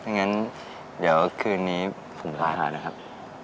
งั้นเดี๋ยวคืนนี้ผมลาหานะครับ